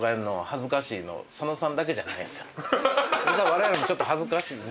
われわれもちょっと恥ずかしい。